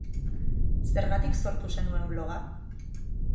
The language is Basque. Zergatik sortu zenuen bloga?